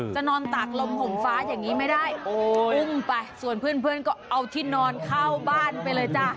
นอนตากลมห่มฟ้าอย่างนี้ไม่ได้อุ้มไปส่วนเพื่อนก็เอาที่นอนเข้าบ้านไปเลยจ้ะ